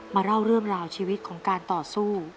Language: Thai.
เล่าเรื่องราวชีวิตของการต่อสู้